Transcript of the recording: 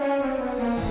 kamu udah sakit ya ga nih